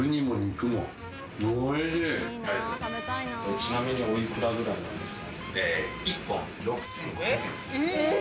ちなみにおいくらぐらいなんですか？